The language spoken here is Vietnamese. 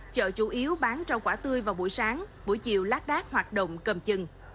chợ chủ yếu bán rau quả tươi vào buổi sáng buổi chiều lát đát hoạt động cầm chừng